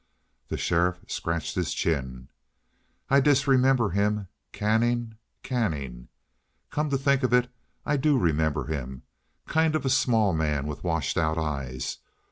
The sheriff scratched his chin. "I disremember him. Canning? Canning? Come to think of it, I do remember him. Kind of a small man with washed out eyes.